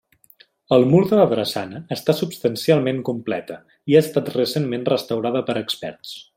El mur de la drassana està substancialment completa, i ha estat recentment restaurada per experts.